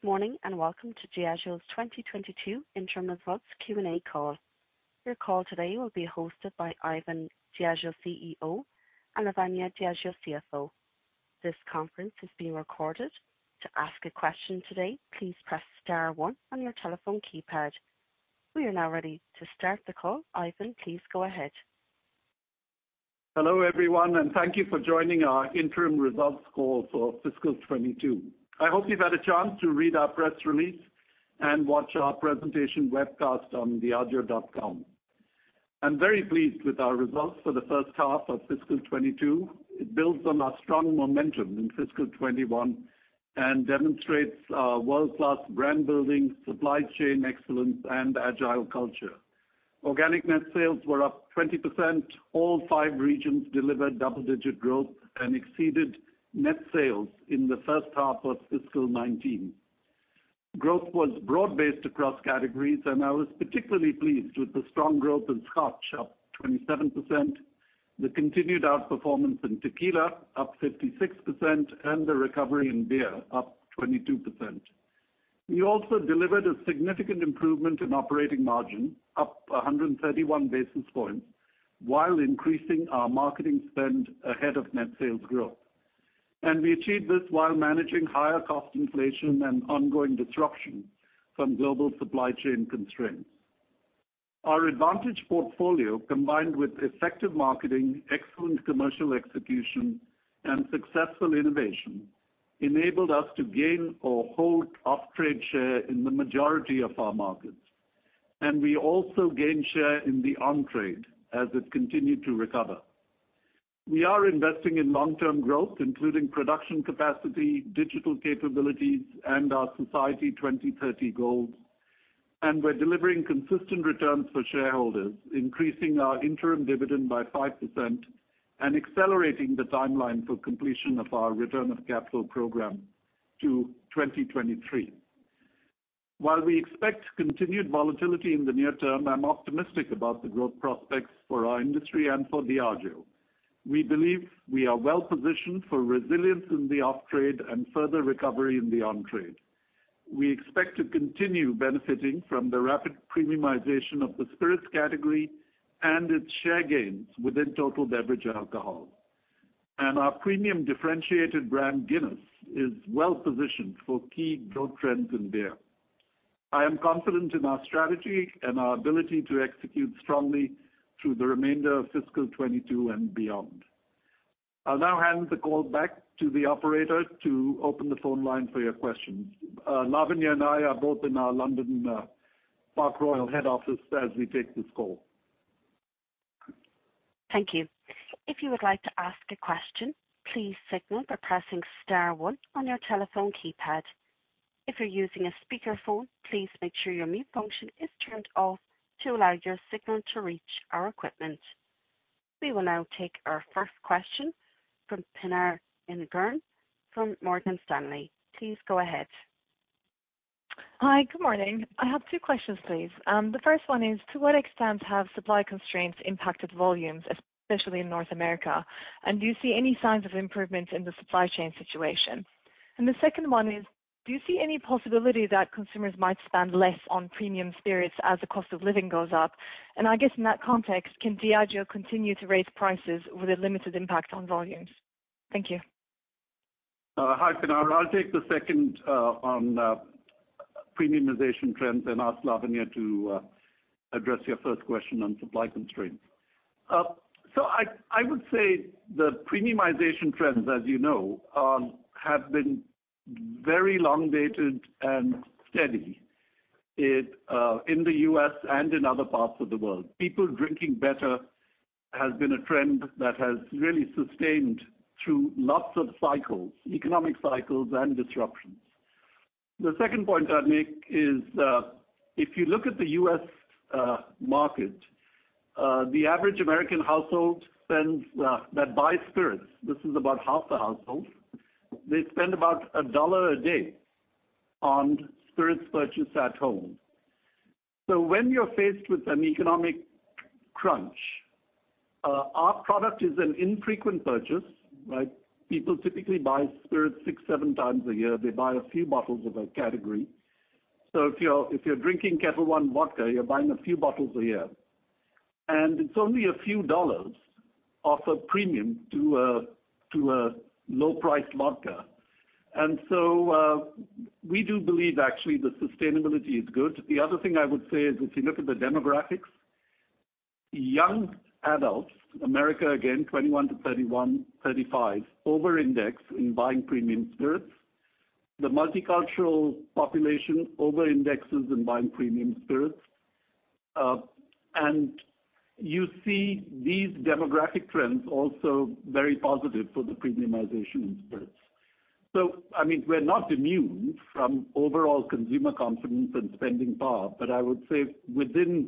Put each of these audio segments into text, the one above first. Good morning and welcome to Diageo's 2022 Interim Results Q&A call. Your call today will be hosted by Ivan, Diageo CEO, and Lavanya, Diageo CFO. This conference is being recorded. To ask a question today, please press star one on your telephone keypad. We are now ready to start the call. Ivan, please go ahead. Hello, everyone and thank you for joining our interim results call for fiscal 2022. I hope you've had a chance to read our press release and watch our presentation webcast on diageo.com. I'm very pleased with our results for the first half of fiscal 2022. It builds on our strong momentum in fiscal 2021 and demonstrates our world-class brand building, supply chain excellence, and agile culture. Organic net sales were up 20%. All five regions delivered double-digit growth and exceeded net sales in the first half of fiscal 2019. Growth was broad-based across categories and I was particularly pleased with the strong growth in Scotch, up 27%, the continued outperformance in tequila, up 56%, and the recovery in beer, up 22%. We also delivered a significant improvement in operating margin, up 131 basis points while increasing our marketing spend ahead of net sales growth. We achieved this while managing higher cost inflation and ongoing disruption from global supply chain constraints. Our advantage portfolio, combined with effective marketing, excellent commercial execution, and successful innovation, enabled us to gain or hold off-trade share in the majority of our markets. We also gained share in the on-trade as it continued to recover. We are investing in long-term growth, including production capacity, digital capabilities, and our Society 2030 goals. We're delivering consistent returns for shareholders, increasing our interim dividend by 5% and accelerating the timeline for completion of our return of capital program to 2023. While we expect continued volatility in the near term, I'm optimistic about the growth prospects for our industry and for Diageo. We believe we are well positioned for resilience in the off-trade and further recovery in the on-trade. We expect to continue benefiting from the rapid premiumization of the spirits category and its share gains within total beverage alcohol. Our premium differentiated brand, Guinness, is well positioned for key growth trends in beer. I am confident in our strategy and our ability to execute strongly through the remainder of fiscal 2022 and beyond. I'll now hand the call back to the operator to open the phone line for your questions. Lavanya and I are both in our London, Park Royal Head Office as we take this call. Thank you. If you would like to ask a question, please signal by pressing star one on your telephone keypad. If you're using a speakerphone, please make sure your mute function is turned off to allow your signal to reach our equipment. We will now take our first question from Pinar Ergun from Morgan Stanley. Please go ahead. Hi. Good morning. I have two questions, please. The first one is, to what extent have supply constraints impacted volumes, especially in North America? Do you see any signs of improvement in the supply chain situation? The second one is, do you see any possibility that consumers might spend less on premium spirits as the cost of living goes up? I guess in that context, can Diageo continue to raise prices with a limited impact on volumes? Thank you. Hi, Pinar. I'll take the second on premiumization trends and ask Lavanya to address your first question on supply constraints. I would say the premiumization trends, as you know, have been very long-dated and steady in the U.S. and in other parts of the world. People drinking better has been a trend that has really sustained through lots of cycles, economic cycles and disruptions. The second point I'd make is, if you look at the U.S. market, the average American household that buys spirits, this is about half the households, they spend about a dollar a day on spirits purchased at home. When you're faced with an economic crunch, our product is an infrequent purchase, right? People typically buy spirits 6x, 7x a year. They buy a few bottles of a category. If you're drinking Ketel One Vodka, you're buying a few bottles a year. It's only a few dollars off a premium to a low price vodka. We do believe actually the sustainability is good. The other thing I would say is if you look at the demographics, young adults, America again, 21-35, over-index in buying premium spirits. The multicultural population over-indexes in buying premium spirits. You see these demographic trends also very positive for the premiumization in spirits. I mean, we're not immune from overall consumer confidence and spending power, but I would say within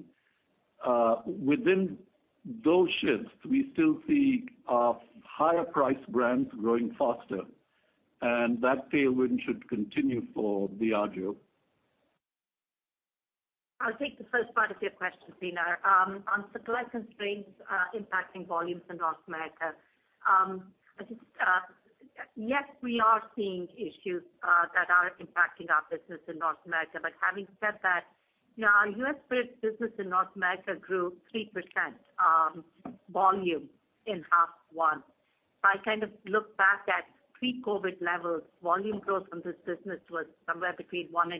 those shifts, we still see our higher priced brands growing faster, and that tailwind should continue for Diageo. I'll take the first part of your question, Pinar, on supply constraints impacting volumes in North America. I think, yes, we are seeing issues that are impacting our business in North America. Having said that, you know, our U.S. spirits business in North America grew 3% volume in half one. If I kind of look back at pre-COVID levels, volume growth on this business was somewhere between 1%-2%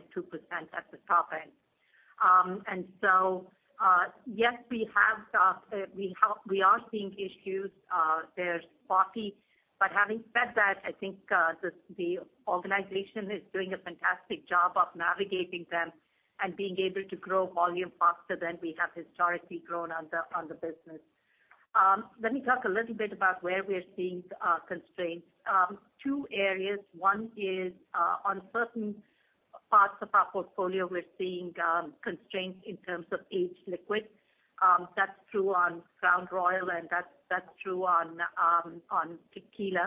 at the top end. Yes, we are seeing issues, they're spotty. Having said that, I think the organization is doing a fantastic job of navigating them and being able to grow volume faster than we have historically grown on the business. Let me talk a little bit about where we are seeing constraints. Two areas. One is on certain parts of our portfolio, we're seeing constraints in terms of aged liquid. That's true on Crown Royal and that's true on tequila,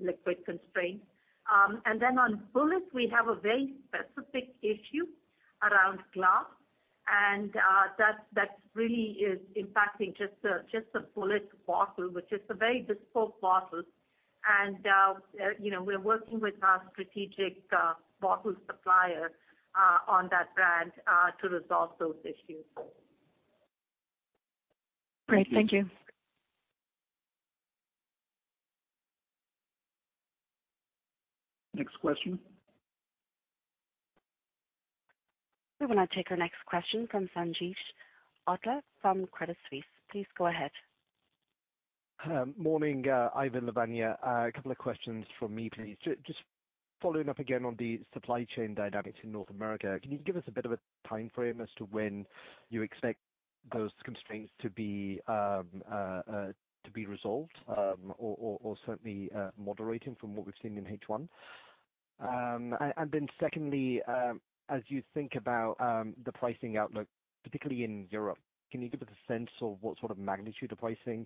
liquid constraints. On Bulleit, we have a very specific issue around glass and that's really impacting just a Bulleit bottle which is a very bespoke bottle. You know, we're working with our strategic bottle supplier on that brand to resolve those issues. Great. Thank you. Next question. We will now take our next question from Sanjeet Aujla from Credit Suisse. Please go ahead. Morning, Ivan, Lavanya. A couple of questions from me, please. Just following up again on the supply chain dynamics in North America, can you give us a bit of a timeframe as to when you expect those constraints to be resolved or certainly moderating from what we've seen in H1? Then secondly, as you think about the pricing outlook, particularly in Europe, can you give us a sense of what sort of magnitude of pricing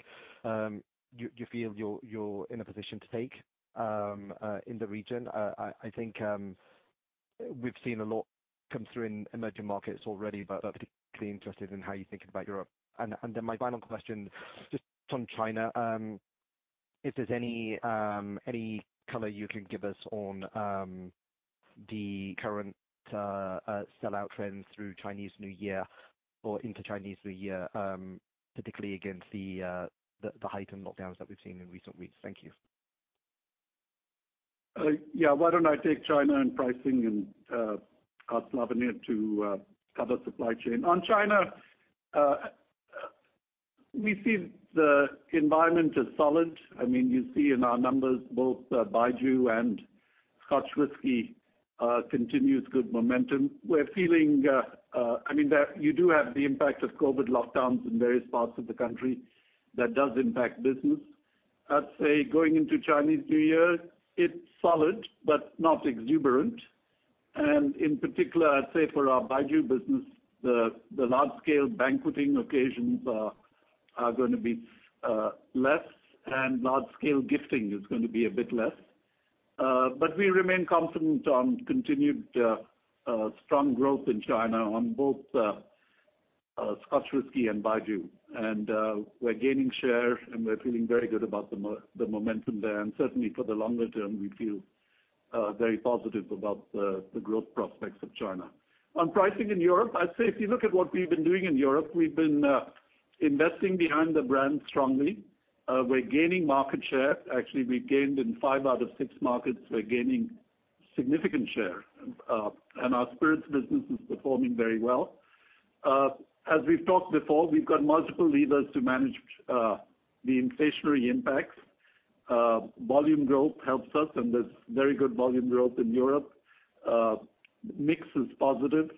you feel you're in a position to take in the region? I think we've seen a lot come through in emerging markets already, but particularly interested in how you think about Europe? My final question, just on China, if there's any color you can give us on the current sellout trends through Chinese New Year or into Chinese New Year, particularly against the heightened lockdowns that we've seen in recent weeks? Thank you. Yeah. Why don't I take China and pricing and ask Lavanya to cover supply chain. On China, we see the environment is solid. I mean, you see in our numbers both Baijiu and Scotch whisky continues good momentum. We're feeling, I mean, that you do have the impact of COVID lockdowns in various parts of the country that does impact business. I'd say going into Chinese New Year, it's solid but not exuberant. In particular, I'd say for our Baijiu business, the large scale banqueting occasions are gonna be less, and large scale gifting is going to be a bit less. We remain confident on continued strong growth in China on both Scotch whisky and Baijiu. We're gaining share and we're feeling very good about the momentum there. Certainly for the longer term, we feel very positive about the growth prospects of China. On pricing in Europe, I'd say if you look at what we've been doing in Europe, we've been investing behind the brand strongly. We're gaining market share. Actually, we gained in five out of six markets. We're gaining significant share. Our spirits business is performing very well. As we've talked before, we've got multiple levers to manage the inflationary impacts. Volume growth helps us and there's very good volume growth in Europe. Mix is positive,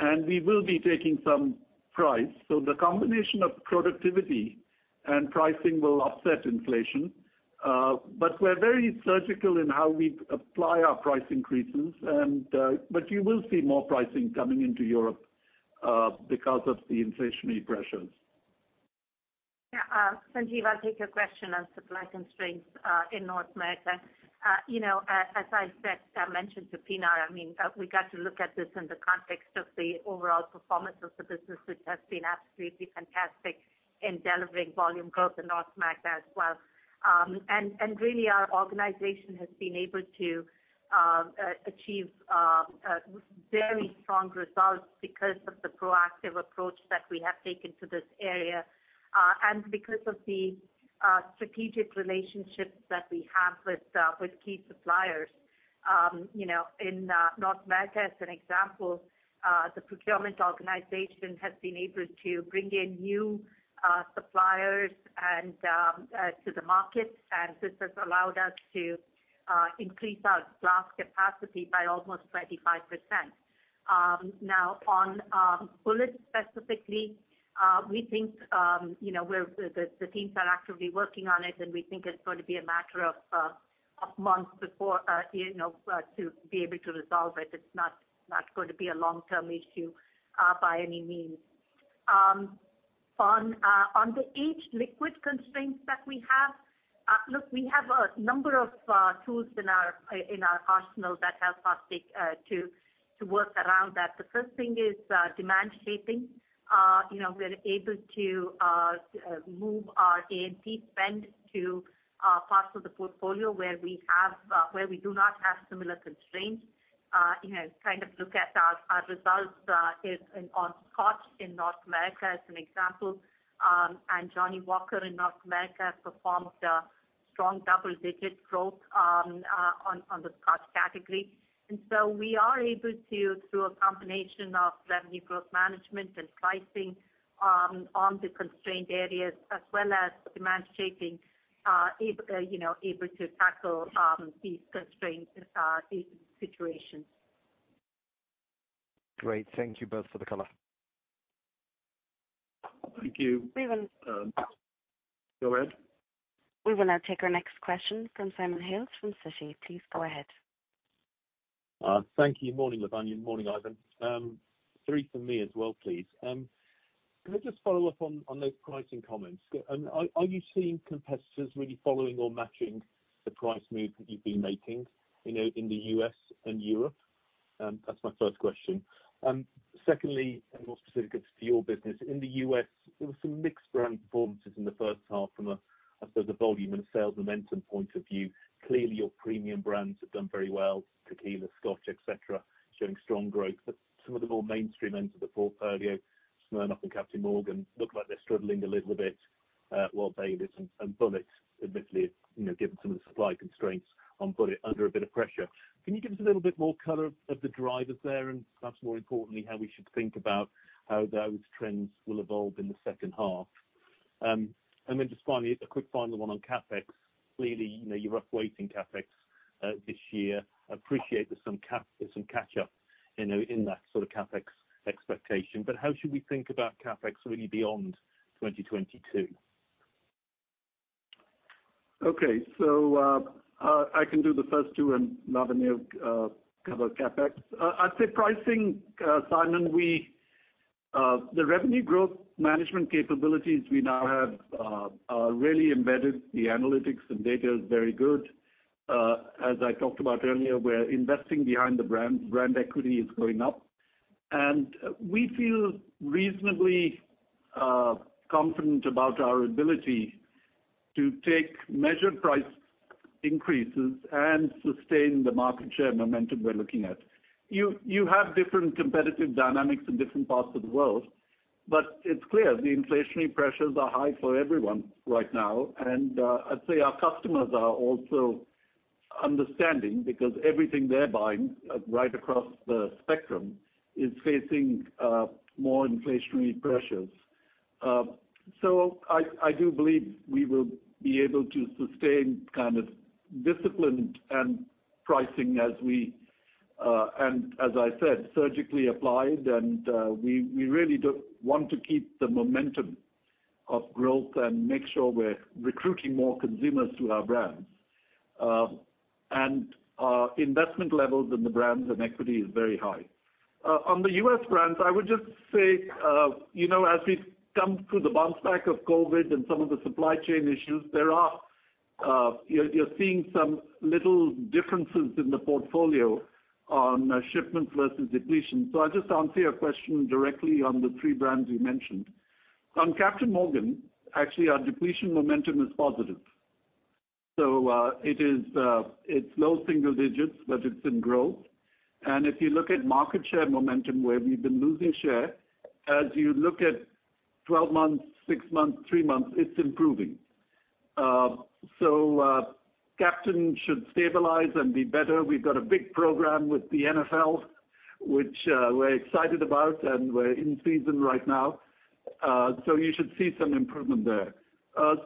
and we will be taking some price. The combination of productivity and pricing will offset inflation. We're very surgical in how we apply our price increases, but you will see more pricing coming into Europe because of the inflationary pressures. Sanjeet, I'll take your question on supply constraints in North America. You know, as I said, I mentioned to Pinar, I mean, we got to look at this in the context of the overall performance of the business which has been absolutely fantastic in delivering volume growth in North America as well. Really our organization has been able to achieve very strong results because of the proactive approach that we have taken to this area and because of the strategic relationships that we have with key suppliers. You know, in North America, as an example, the procurement organization has been able to bring in new suppliers and to the market, and this has allowed us to increase our glass capacity by almost 25%. Now on Bulleit specifically, we think, you know, the teams are actively working on it, and we think it's going to be a matter of months before, you know, to be able to resolve it. It's not going to be a long-term issue by any means. On the aged liquid constraints that we have, look, we have a number of tools in our arsenal that help us to work around that. The first thing is demand shaping. You know, we're able to move our AMP spend to parts of the portfolio where we do not have similar constraints. You know, kind of look at our results on Scotch in North America as an example, and Johnnie Walker in North America has performed strong double-digit growth on the Scotch category. We are able to, through a combination of revenue growth management and pricing on the constrained areas as well as demand shaping, you know, able to tackle these constraints, these situations. Great. Thank you both for the color. Thank you. We will- Go ahead. We will now take our next question from Simon Hales from Citi. Please go ahead. Thank you. Morning, Lavanya and morning, Ivan. Three from me as well, please. Can I just follow up on those pricing comments? Are you seeing competitors really following or matching the price move that you've been making, you know, in the U.S. and Europe? That's my first question. Secondly, and more specific it's to your business, in the U.S., there were some mixed brand performances in the first half from a volume and a sales momentum point of view. Clearly, your premium brands have done very well, tequila, Scotch, etc., showing strong growth. Some of the more mainstream ends of the portfolio, Smirnoff and Captain Morgan, look like they're struggling a little bit while Baileys and Bulleit admittedly, you know, given some of the supply constraints on Bulleit under a bit of pressure. Can you give us a little bit more color on the drivers there, and perhaps more importantly, how we should think about how those trends will evolve in the second half? Just finally, a quick final one on CapEx. Clearly, you know, you're upweighting CapEx this year. I appreciate there's some catch up, you know, in that sort of CapEx expectation. How should we think about CapEx really beyond 2022? Okay. I can do the first two, and Lavanya will cover CapEx. I'd say pricing, Simon, the revenue growth management capabilities we now have are really embedded. The analytics and data is very good. As I talked about earlier, we're investing behind the brand. Brand equity is going up. We feel reasonably confident about our ability to take measured price increases and sustain the market share momentum we're looking at. You have different competitive dynamics in different parts of the world, but it's clear the inflationary pressures are high for everyone right now. I'd say our customers are also understanding because everything they're buying right across the spectrum is facing more inflationary pressures. I do believe we will be able to sustain kind of disciplined pricing as I said, surgically applied. We really do want to keep the momentum of growth and make sure we're recruiting more consumers to our brands. Our investment levels in the brands and equity is very high. On the U.S. brands, I would just say you know, as we've come through the brunt of COVID and some of the supply chain issues, there are. You're seeing some little differences in the portfolio on shipments versus depletion. I'll just answer your question directly on the three brands you mentioned. On Captain Morgan, actually, our depletion momentum is positive. It's low single digits, but it's in growth. If you look at market share momentum, where we've been losing share, as you look at 12 months, six months, three months, it's improving. Captain should stabilize and be better. We've got a big program with the NFL, which we're excited about, and we're in season right now. You should see some improvement there.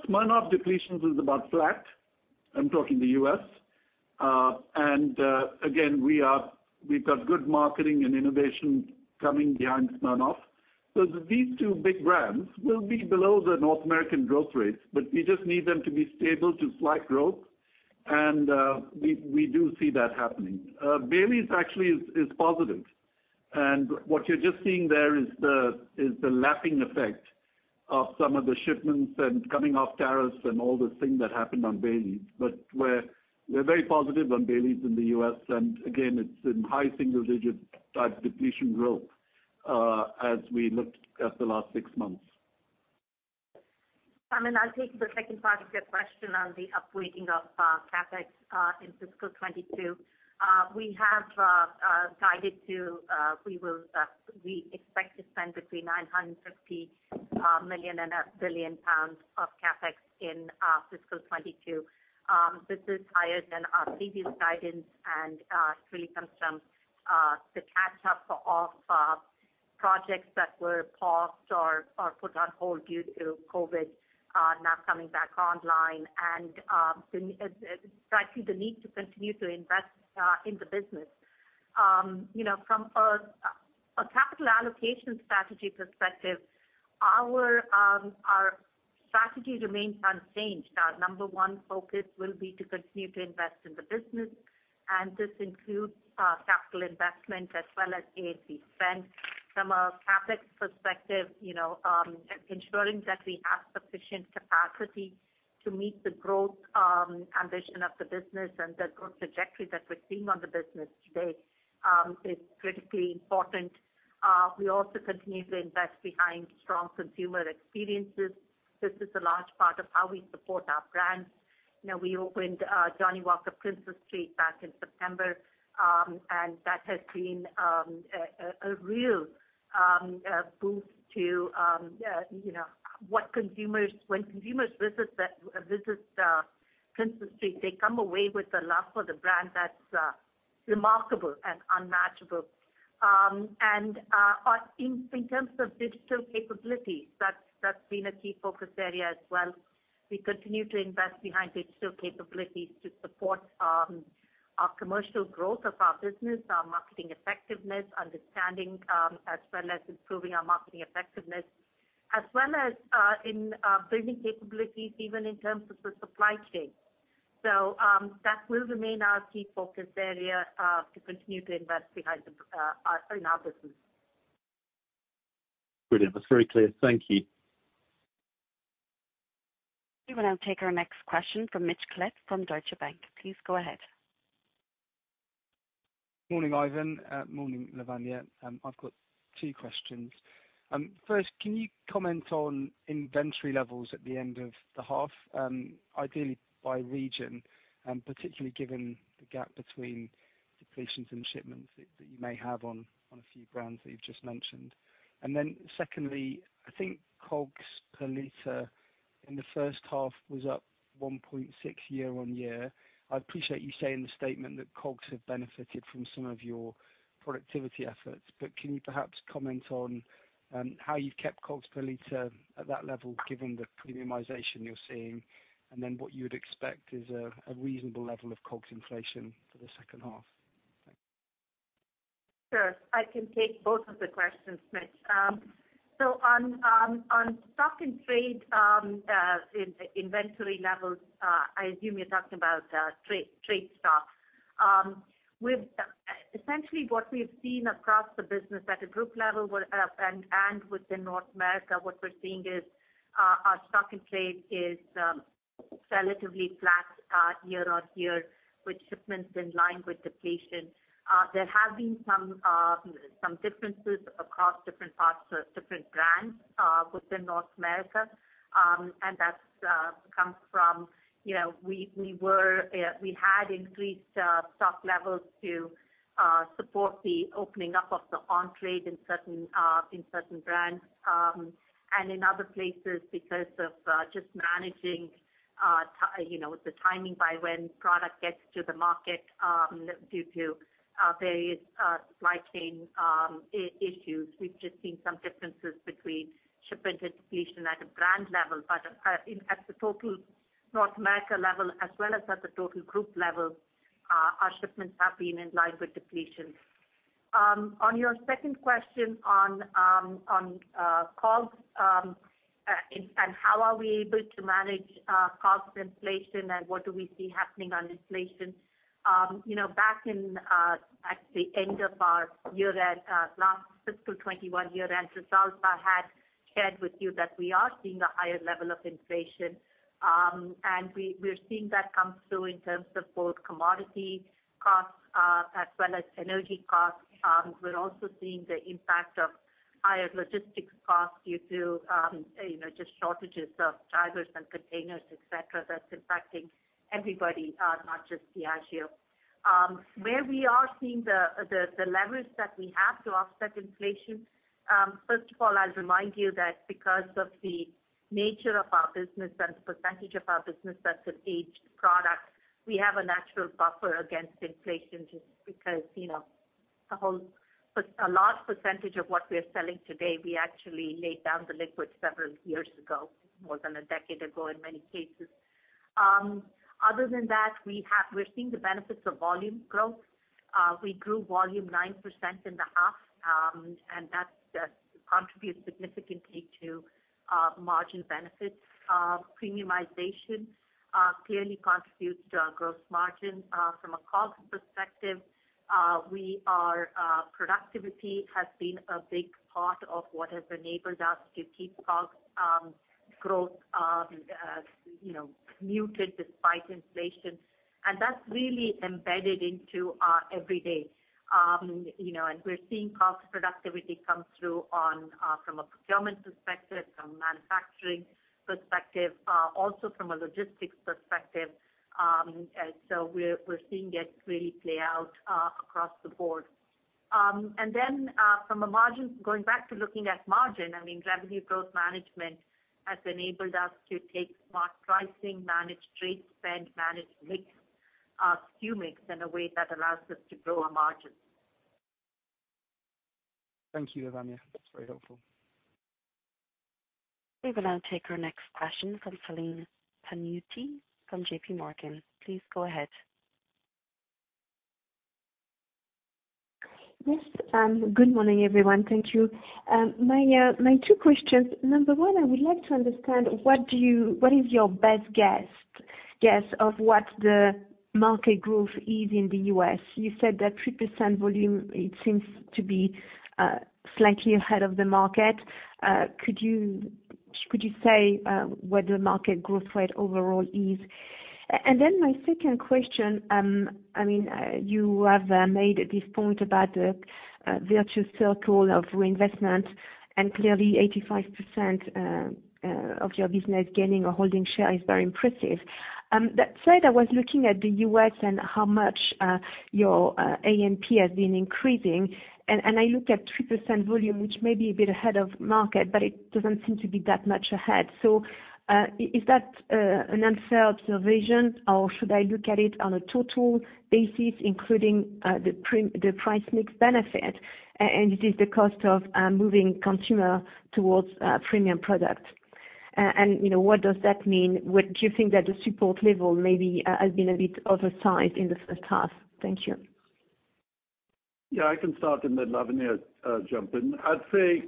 Smirnoff depletions is about flat. I'm talking the U.S., again, we've got good marketing and innovation coming behind Smirnoff. These two big brands will be below the North American growth rates but we just need them to be stable to slight growth. We do see that happening. Baileys actually is positive. What you're just seeing there is the lapping effect of some of the shipments and coming off tariffs and all the things that happened on Baileys. We're very positive on Baileys in the U.S., and again, it's in high single digit type depletion growth, as we looked at the last six months. Simon, I'll take the second part of your question on the upweighting of CapEx in fiscal 2022. We have excited to we will--we expect to spend between 950 million and 1 billion pounds of CapEx in fiscal 2022. This is higher than our previous guidance and really comes from the catch up of projects that were paused or put on hold due to COVID now coming back online and frankly, the need to continue to invest in the business. You know, from a capital allocation strategy perspective, our strategy remains unchanged. Our number one focus will be to continue to invest in the business, and this includes capital investment as well as A&P spend. From a CapEx perspective, you know, ensuring that we have sufficient capacity to meet the growth ambition of the business and the growth trajectory that we're seeing on the business today is critically important. We also continue to invest behind strong consumer experiences. This is a large part of how we support our brands. You know, we opened Johnnie Walker Princes Street back in September and that has been a real boost. When consumers visit Princes Street, they come away with a love for the brand that's remarkable and unmatchable. In terms of digital capabilities, that's been a key focus area as well. We continue to invest behind digital capabilities to support our commercial growth of our business, our marketing effectiveness, as well as improving our marketing effectiveness, as well as in building capabilities even in terms of the supply chain. That will remain our key focus area to continue to invest behind our business. Brilliant. That's very clear. Thank you. We will now take our next question from Mitch Collett from Deutsche Bank. Please go ahead. Morning, Ivan. Morning, Lavanya. I've got two questions. First, can you comment on inventory levels at the end of the half, ideally by region, particularly given the gap between depletions and shipments that you may have on a few brands that you've just mentioned? Then secondly, I think COGS per liter in the first half was up 1.6% year-on-year. I appreciate you saying in the statement that COGS have benefited from some of your productivity efforts, but can you perhaps comment on how you've kept COGS per liter at that level given the premiumization you're seeing, and then what you would expect is a reasonable level of COGS inflation for the second half? Thanks. Sure. I can take both of the questions, Mitch. So on stock and trade inventory levels, I assume you're talking about trade stock. Essentially what we've seen across the business at a group level would and within North America, what we're seeing is our stock and trade is relatively flat year-over-year, with shipments in line with depletion. There have been some differences across different parts of different brands within North America and that comes from, you know, we had increased stock levels to support the opening up of the on-trade in certain brands. And in other places because of just managing the, you know, the timing by when product gets to the market, due to various supply chain issues. We've just seen some differences between shipment and depletion at a brand level. In at the total North America level as well as at the total group level, our shipments have been in line with depletion. On your second question on COGS and how are we able to manage COGS inflation and what do we see happening on inflation. You know, back in at the end of our year-end last fiscal 2021 year-end results, I had shared with you that we are seeing a higher level of inflation. We're seeing that come through in terms of both commodity costs as well as energy costs. We're also seeing the impact of higher logistics costs due to, you know, just shortages of drivers and containers, etc., that's impacting everybody, not just Diageo. Where we are seeing the leverage that we have to offset inflation, first of all, I'll remind you that because of the nature of our business and percentage of our business that's an aged product, we have a natural buffer against inflation just because, you know, a large percentage of what we're selling today, we actually laid down the liquid several years ago, more than a decade ago in many cases. Other than that, we're seeing the benefits of volume growth. We grew volume 9% in the half, and that contributes significantly to margin benefits. Premiumization clearly contributes to our gross margin. From a COGS perspective, productivity has been a big part of what has enabled us to keep COGS growth, you know, muted despite inflation. That's really embedded into our everyday. You know, we're seeing COGS productivity come through from a procurement perspective, from a manufacturing perspective, also from a logistics perspective. We're seeing it really play out across the board. Then, from a margin perspective, going back to looking at margin, I mean, revenue growth management has enabled us to take smart pricing, manage trade spend, manage mix, SKU mix in a way that allows us to grow our margins. Thank you, Lavanya. That's very helpful. We will now take our next question from Céline Pannuti from JPMorgan. Please go ahead. Yes. Good morning, everyone. Thank you. My two questions. Number one, I would like to understand what is your best guess of what the market growth is in the U.S.? You said that 3% volume, it seems to be slightly ahead of the market. Could you say where the market growth rate overall is? Then my second question, I mean, you have made this point about the virtuous circle of reinvestment, and clearly 85% of your business gaining or holding share is very impressive. That said, I was looking at the U.S. and how much your AMP has been increasing. I looked at 3% volume which may be a bit ahead of market, but it doesn't seem to be that much ahead. Is that an unfair observation, or should I look at it on a total basis, including the price mix benefit, and is it the cost of moving consumer towards premium product? You know, what does that mean? Would you think that the support level maybe has been a bit oversized in the first half? Thank you. Yeah, I can start and then Lavanya, jump in. I'd say,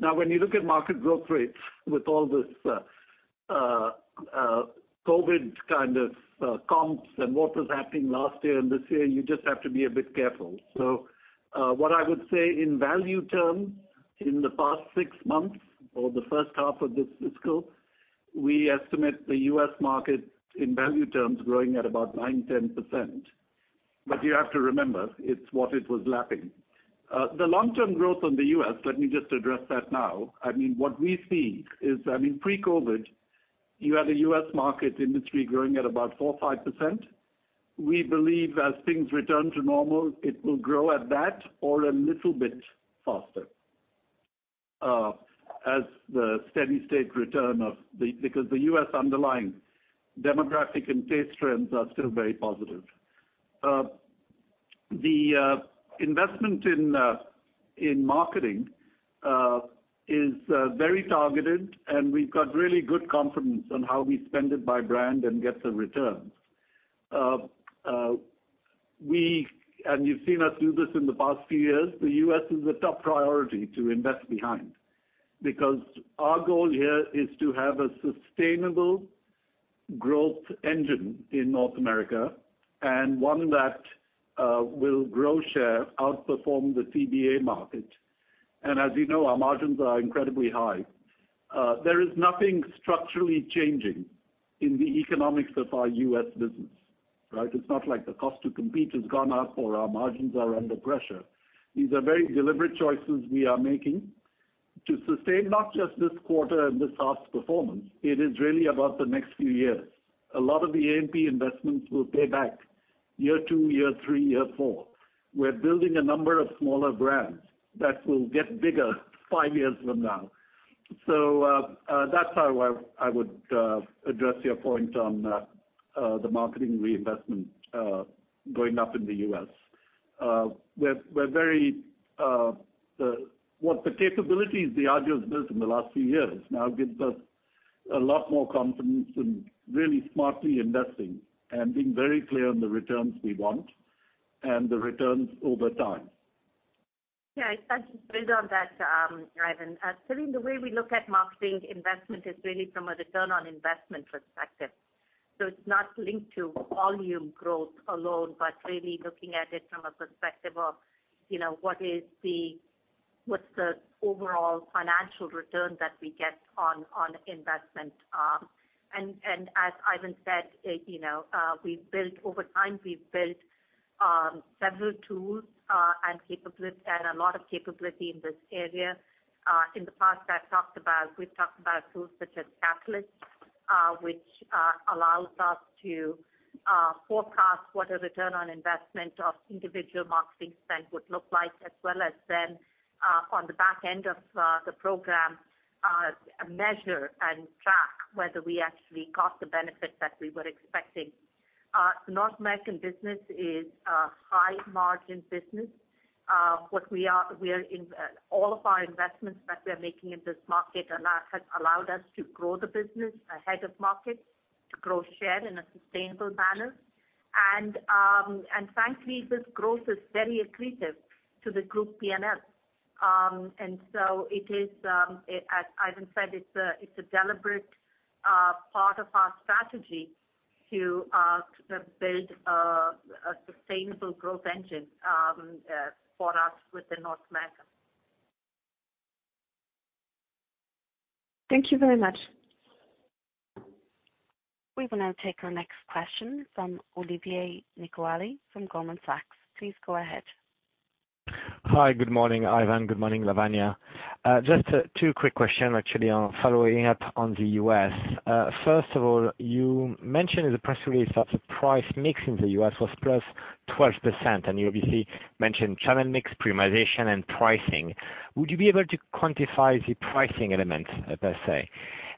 now when you look at market growth rates with all this, COVID kind of, comps and what was happening last year and this year, you just have to be a bit careful. What I would say in value terms, in the past six months or the first half of this fiscal, we estimate the U.S. market in value terms growing at about 9%-10%. But you have to remember, it's what it was lapping. The long-term growth on the U.S., let me just address that now. I mean, what we see is, I mean, pre-COVID, you had a U.S. market industry growing at about 4%-5%. We believe as things return to normal, it will grow at that or a little bit faster, as the steady state return. Because the U.S. underlying demographic and taste trends are still very positive. The investment in marketing is very targeted and we've got really good confidence on how we spend it by brand and get the returns. You've seen us do this in the past few years. The U.S. is a top priority to invest behind because our goal here is to have a sustainable growth engine in North America and one that will grow share, outperform the CBA market. As you know, our margins are incredibly high. There is nothing structurally changing in the economics of our U.S. business, right? It's not like the cost to compete has gone up or our margins are under pressure. These are very deliberate choices we are making to sustain not just this quarter and this half's performance, it is really about the next few years. A lot of the AMP investments will pay back year two, year three, year four. We're building a number of smaller brands that will get bigger five years from now. That's how I would address your point on the marketing reinvestment going up in the U.S.. What the capabilities of Diageo has built in the last few years now gives us a lot more confidence in really smartly investing and being very clear on the returns we want and the returns over time. Yeah, if I can build on that, Ivan. Celine, the way we look at marketing investment is really from a return on investment perspective. It's not linked to volume growth alone, but really looking at it from a perspective of, you know, what's the overall financial return that we get on investment. As Ivan said, you know, we've built over time several tools and a lot of capability in this area. In the past, we've talked about tools such as Catalyst, which allows us to forecast what a return on investment of individual marketing spend would look like, as well as then on the back end of the program, measure and track whether we actually got the benefit that we were expecting. North American business is a high margin business. All of our investments that we are making in this market allow, has allowed us to grow the business ahead of market, to grow share in a sustainable manner. Frankly, this growth is very accretive to the group PNL. It is, as Ivan said, a deliberate part of our strategy to build a sustainable growth engine for us within North America. Thank you very much. We will now take our next question from Olivier Nicolaï from Goldman Sachs. Please go ahead. Hi, good morning, Ivan. Good morning, Lavanya. Just, two quick questions actually on following up on the U.S.. First of all, you mentioned in the press release that the price mix in the U.S. was +12% and you obviously mentioned channel mix, premiumization, and pricing. Would you be able to quantify the pricing element, per se?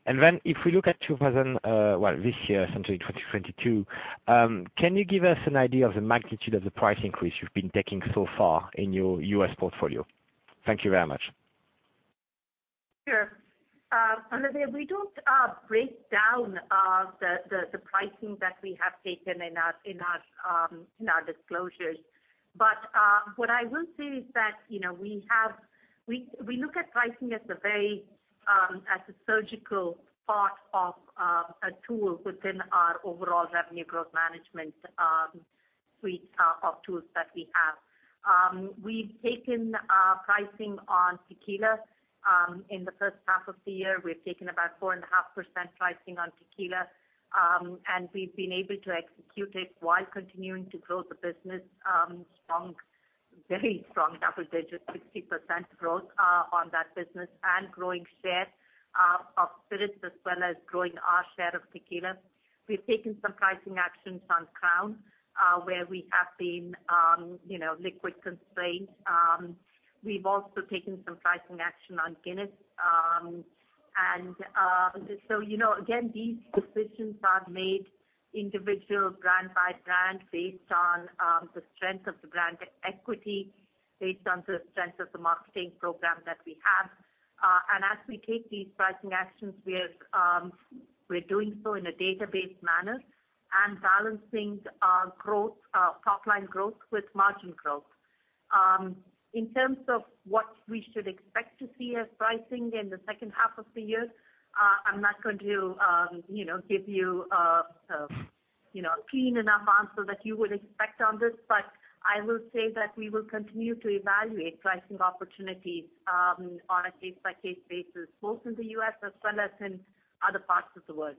And then if we look at this year, essentially 2022, can you give us an idea of the magnitude of the price increase you've been taking so far in your U.S. portfolio? Thank you very much. We don't break down the pricing that we have taken in our disclosures. What I will say is that, you know, we look at pricing as a very surgical part of a tool within our overall revenue growth management suite of tools that we have. We've taken pricing on tequila in the first half of the year. We've taken about 4.5% pricing on tequila and we've been able to execute it while continuing to grow the business strong, very strong double-digit 60% growth on that business and growing share of spirits as well as growing our share of tequila. We've taken some pricing actions on Crown, where we have been, you know, liquid constrained. We've also taken some pricing action on Guinness. You know, again, these decisions are made individual brand by brand based on the strength of the brand equity, based on the strength of the marketing program that we have. As we take these pricing actions, we're doing so in a deliberate manner and balancing growth, top line growth with margin growth. In terms of what we should expect to see as pricing in the second half of the year, I'm not going to, you know, give you a you know, clean enough answer that you would expect on this. I will say that we will continue to evaluate pricing opportunities on a case-by-case basis, both in the U.S. as well as in other parts of the world.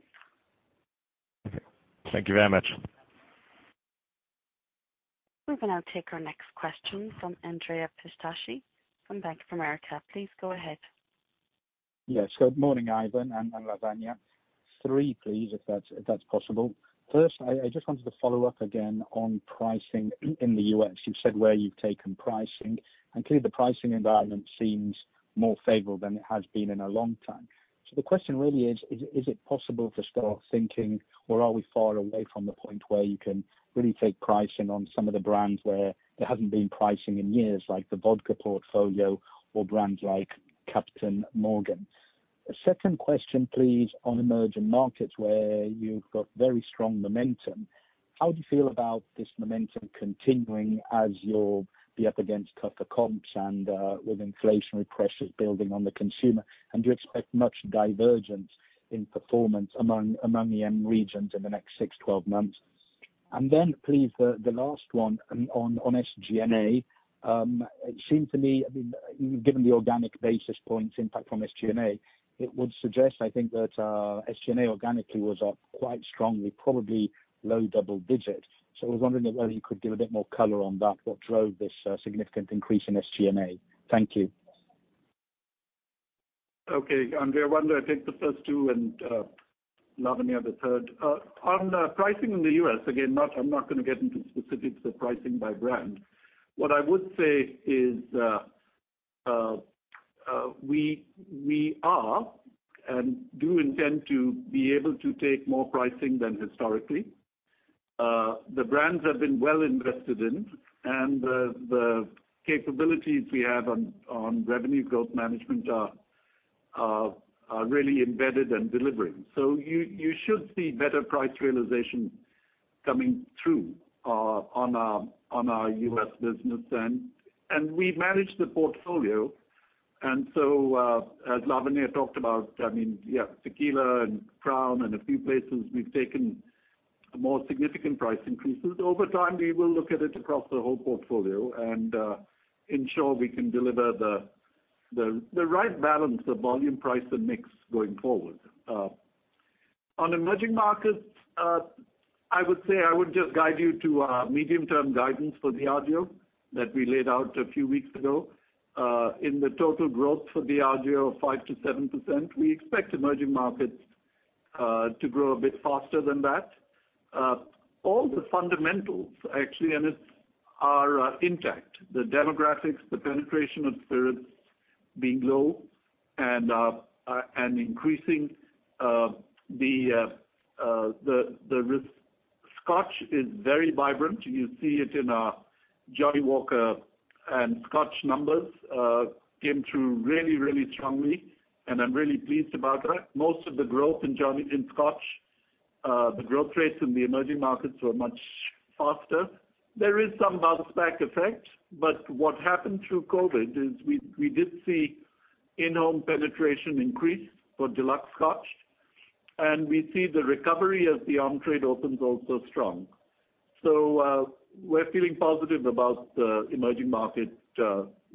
Thank you very much. We will now take our next question from Andrea Pistacchi from Bank of America. Please go ahead. Yes. Good morning, Ivan and Lavanya. Three, please, if that's possible. First, I just wanted to follow up again on pricing in the U.S., you've said where you've taken pricing, and clearly the pricing environment seems more favorable than it has been in a long time. The question really is it possible to start thinking, or are we far away from the point where you can really take pricing on some of the brands where there hasn't been pricing in years, like the vodka portfolio or brands like Captain Morgan? A second question, please, on emerging markets where you've got very strong momentum. How do you feel about this momentum continuing as you'll be up against tougher comps and with inflationary pressures building on the consumer? Do you expect much divergence in performance among EM regions in the next six, 12 months? Then please, the last one on SG&A. It seems to me, I mean, given the organic basis points impact from SG&A, it would suggest, I think that, SG&A organically was up quite strongly, probably low double digits. I was wondering if whether you could give a bit more color on that, what drove this significant increase in SG&A? Thank you. Okay. Andrea, why don't I take the first two and Lavanya, the third. On the pricing in the U.S., again, I'm not gonna get into specifics of pricing by brand. What I would say is, we are and do intend to be able to take more pricing than historically. The brands have been well invested in, and the capabilities we have on revenue growth management are really embedded and delivering. You should see better price realization coming through on our U.S. business. We manage the portfolio. As Lavanya talked about, I mean, yeah, tequila and Crown and a few places we've taken more significant price increases. Over time, we will look at it across the whole portfolio and ensure we can deliver the right balance of volume, price, and mix going forward. On emerging markets, I would say I would just guide you to our medium-term guidance for the RGO that we laid out a few weeks ago. In the total growth for the RGO of 5%-7%, we expect emerging markets to grow a bit faster than that. All the fundamentals actually are intact. The demographics, the penetration of spirits being low and increasing. Scotch is very vibrant. You see it in our Johnnie Walker and Scotch numbers came through really strongly and I'm really pleased about that. Most of the growth in Scotch, the growth rates in the emerging markets were much faster. There is some bounce back effect, but what happened through COVID is we did see in-home penetration increase for deluxe Scotch and we see the recovery as the on-trade opens also strong. We're feeling positive about emerging market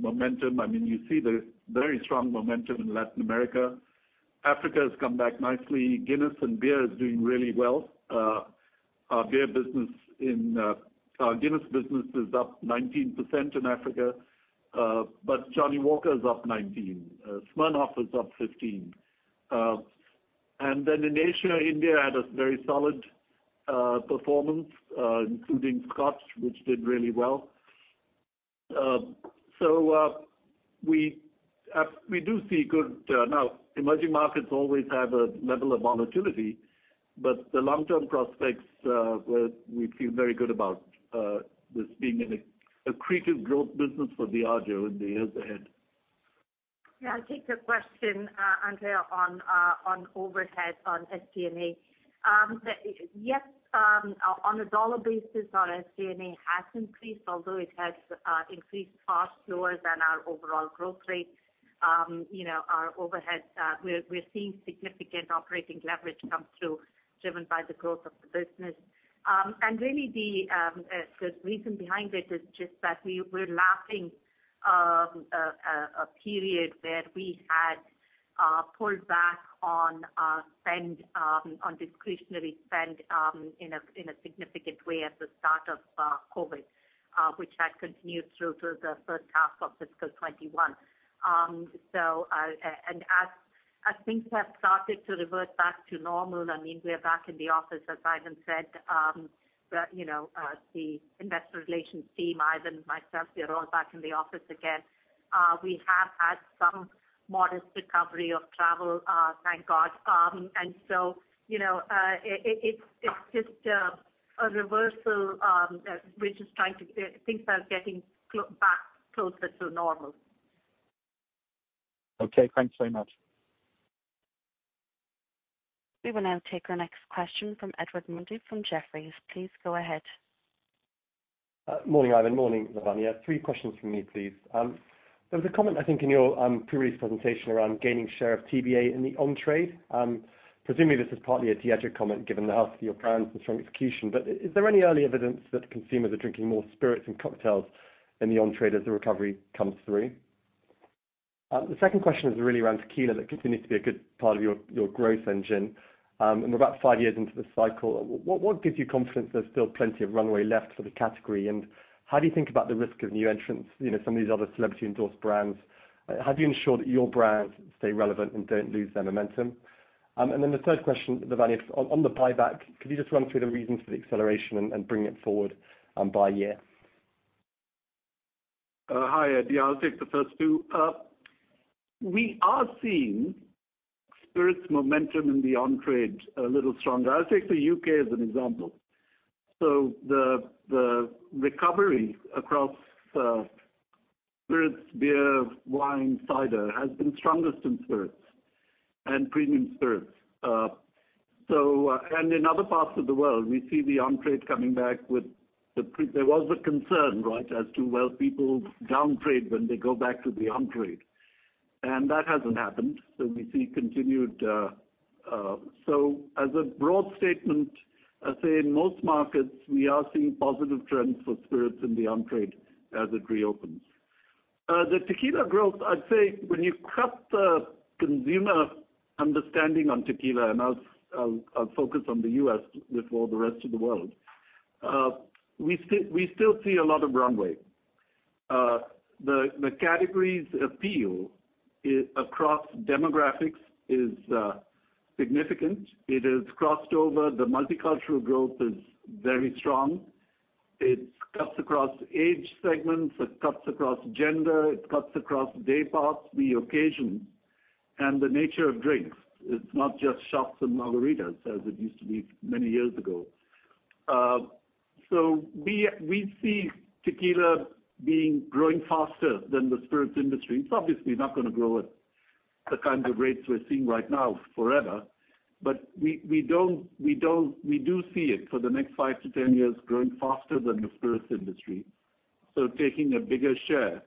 momentum. I mean, you see the very strong momentum in Latin America. Africa has come back nicely. Guinness and beer is doing really well. Our beer business in our Guinness business is up 19% in Africa, but Johnnie Walker is up 19%, Smirnoff is up 15%. Then in Asia, India had a very solid performance, including Scotch which did really well. We do see good-now, emerging markets always have a level of volatility. The long-term prospects, where we feel very good about, this being an accretive growth business for Diageo in the years ahead. I'll take the question, Andrea, on overhead on SG&A. Yes, on a dollar basis, our SG&A has increased, although it has increased far slower than our overall growth rate. You know, our overhead, we're seeing significant operating leverage come through, driven by the growth of the business. Really the reason behind it is just that we're lacking a period where we had pulled back on spend on discretionary spend in a significant way at the start of COVID, which had continued through to the first half of fiscal 2021. As things have started to revert back to normal, I mean, we are back in the office, as Ivan said. You know, the investor relations team, Ivan, myself, we are all back in the office again. We have had some modest recovery of travel, thank God. You know, it's just a reversal. Things are getting back closer to normal. Okay, thanks very much. We will now take our next question from Edward Mundy from Jefferies. Please go ahead. Morning, Ivan. Morning, Lavanya. Three questions from me, please. There was a comment, I think, in your pre-release presentation around gaining share of TBA in the on-trade. Presumably this is partly a theatrical comment, given the health of your brands and strong execution. Is there any early evidence that consumers are drinking more spirits and cocktails in the on-trade as the recovery comes through? The second question is really around tequila. That continues to be a good part of your growth engine. We're about five years into the cycle. What gives you confidence there's still plenty of runway left for the category? And how do you think about the risk of new entrants, you know, some of these other celebrity-endorsed brands? How do you ensure that your brands stay relevant and don't lose their momentum? The third question, Lavanya, on the buyback, could you just run through the reasons for the acceleration and bringing it forward by a year? Hi, Eddie. I'll take the first two. We are seeing spirits momentum in the on-trade a little stronger. I'll take the U.K. as an example. The recovery across spirits, beer, wine, cider has been strongest in spirits and premium spirits. In other parts of the world, we see the on-trade coming back. There was a concern, right, as to whether people will downtrade when they go back to the on-trade and that hasn't happened. We see continued. As a broad statement, I'd say in most markets, we are seeing positive trends for spirits in the on-trade as it reopens. The tequila growth, I'd say when you look at the consumer understanding on tequila and I'll focus on the U.S. before the rest of the world, we still see a lot of runway. The category's appeal across demographics is significant. It has crossed over. The multicultural growth is very strong. It cuts across age segments, it cuts across gender, it cuts across day parts, the occasion, and the nature of drinks. It's not just shots and margaritas as it used to be many years ago. We see tequila growing faster than the spirits industry. It's obviously not gonna grow at the kinds of rates we're seeing right now forever. But we don't--we do see it for the next five-10 years growing faster than the spirits industry, so taking a bigger share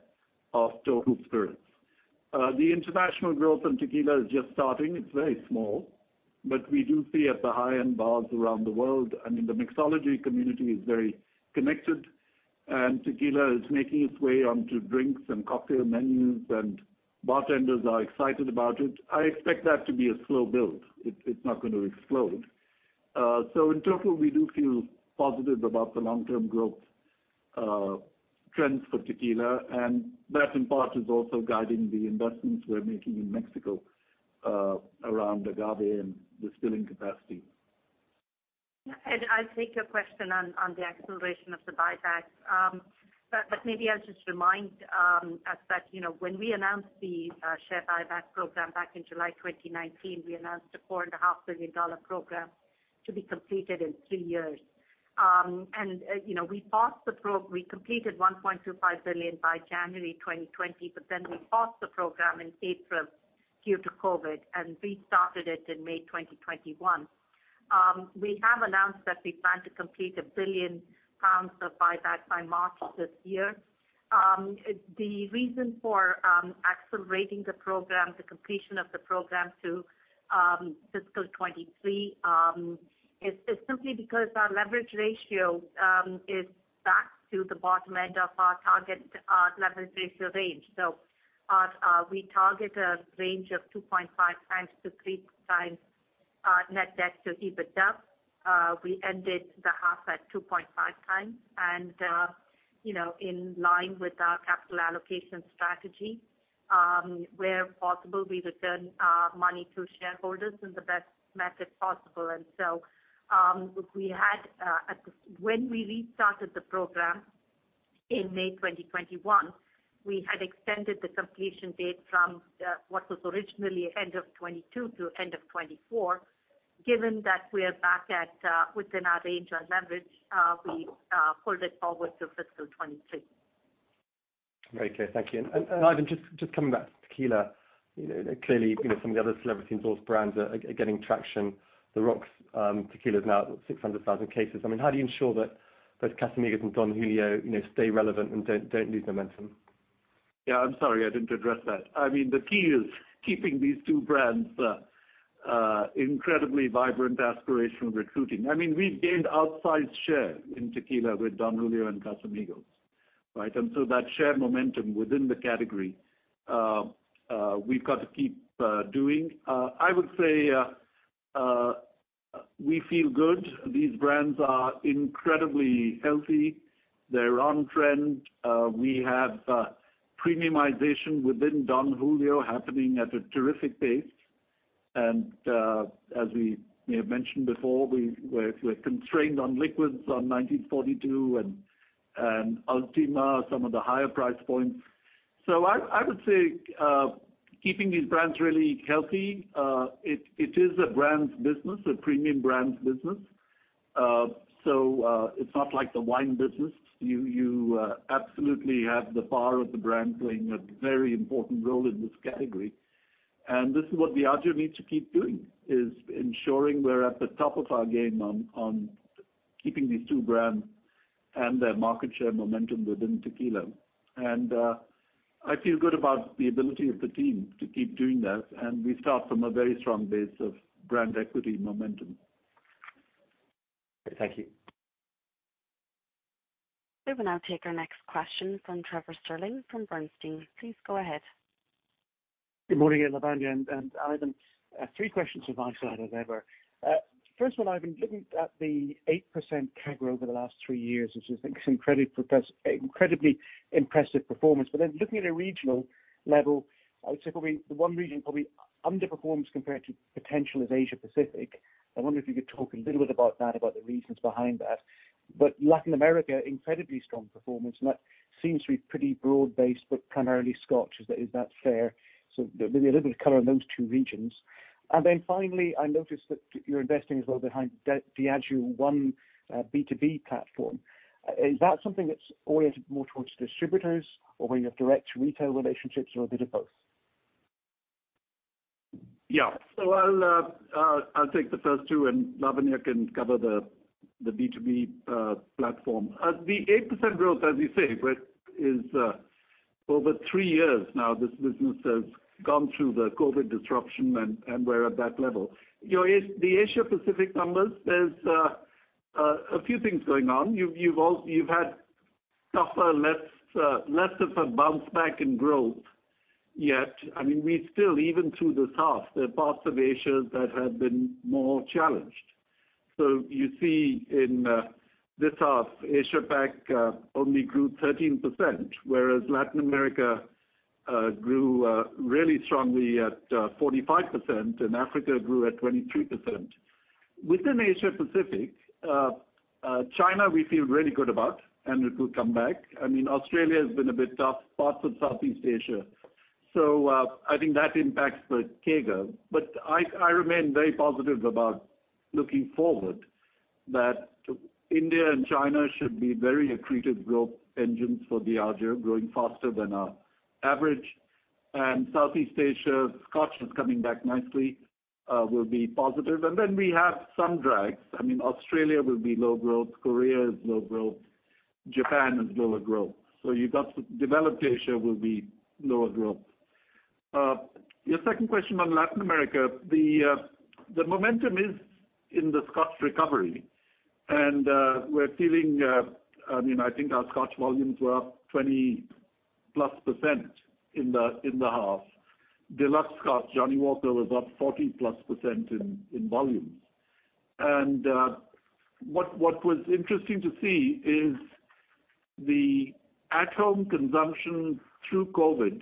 of total spirits. The international growth in tequila is just starting. It's very small, but we do see at the high-end bars around the world, I mean, the mixology community is very connected and tequila is making its way onto drinks and cocktail menus, and bartenders are excited about it. I expect that to be a slow build, it's not gonna explode. So in total, we do feel positive about the long-term growth trends for tequila and that in part is also guiding the investments we're making in Mexico, around agave and distilling capacity. I'll take your question on the acceleration of the buyback. But maybe I'll just remind us that, you know, when we announced the share buyback program back in July 2019, we announced a $4.5 billion program to be completed in three years. You know, we completed $1.25 billion by January 2020, but then we paused the program in April due to COVID and restarted it in May 2021. We have announced that we plan to complete 1 billion pounds of buyback by March this year. The reason for accelerating the program, the completion of the program to fiscal 2023, is simply because our leverage ratio is back to the bottom end of our target leverage ratio range. We target a range of 2.5x to 3x net debt to EBITDA. We ended the half at 2.5x. You know, in line with our capital allocation strategy, where possible, we return money to shareholders in the best method possible. When we restarted the program in May 2021, we had extended the completion date from what was originally end of 2022 to end of 2024. Given that we're back at within our range on leverage, we pulled it forward to fiscal 2023. Very clear. Thank you. Ivan, just coming back to tequila. You know, clearly, you know, some of the other celebrity-endorsed brands are getting traction. The Rock's tequila is now at 600,000 cases. I mean, how do you ensure that both Casamigos and Don Julio, you know, stay relevant and don't lose momentum? Yeah, I'm sorry, I didn't address that. I mean, the key is keeping these two brands incredibly vibrant, aspirational, recruiting. I mean, we've gained outsized share in tequila with Don Julio and Casamigos, right? That share momentum within the category we've got to keep doing. I would say we feel good. These brands are incredibly healthy. They're on trend. We have premiumization within Don Julio happening at a terrific pace. As we may have mentioned before, we're constrained on liquids on 1942 and Ultima, some of the higher price points. I would say keeping these brands really healthy, it is a brands business, a premium brands business. It's not like the wine business. You absolutely have the power of the brand playing a very important role in this category. This is what Diageo needs to keep doing, is ensuring we're at the top of our game on keeping these two brands and their market share momentum within tequila. I feel good about the ability of the team to keep doing that, and we start from a very strong base of brand equity momentum. Thank you. We will now take our next question from Trevor Stirling from Bernstein. Please go ahead. Good morning, Lavanya and Ivan. Three questions as I said I'd have. First one, Ivan, looking at the 8% CAGR over the last three years, which is an incredibly impressive performance. Looking at a regional level, I would say the one region that underperforms compared to potential is Asia Pacific. I wonder if you could talk a little bit about that, the reasons behind that. Latin America, incredibly strong performance and that seems to be pretty broad-based, but primarily Scotch. Is that fair? Maybe a little bit of color on those two regions. Then finally, I noticed that you're investing as well behind Diageo One, B2B platform. Is that something that's oriented more towards distributors or where you have direct retail relationships or a bit of both? I'll take the first two, and Lavanya can cover the B2B platform. The 8% growth, as you say, but is over three years now, this business has gone through the COVID disruption and we're at that level. The Asia Pacific numbers, there's a few things going on. You've had tougher, less of a bounce back in growth. Yet, I mean, we still even through this half, there are parts of Asia that have been more challenged. You see in this half, Asia Pac only grew 13%, whereas Latin America grew really strongly at 45%, and Africa grew at 23%. Within Asia Pacific, China, we feel really good about, and it will come back. I mean, Australia has been a bit tough, parts of Southeast Asia. I think that impacts the CAGR. I remain very positive about looking forward that India and China should be very accretive growth engines for Diageo, growing faster than our average. Southeast Asia, Scotch is coming back nicely, will be positive. Then we have some drags. I mean, Australia will be low growth. Korea is low growth. Japan is lower growth. Developed Asia will be lower growth. Your second question on Latin America, the momentum is in the Scotch recovery. We're seeing, I mean, I think our Scotch volumes were up 20%+ in the half. Deluxe Scotch, Johnnie Walker was up 40%+ in volumes. What was interesting to see is the at-home consumption through COVID,